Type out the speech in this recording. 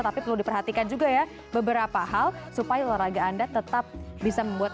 tapi perlu diperhatikan juga ya beberapa hal supaya olahraga anda tetap bisa membuat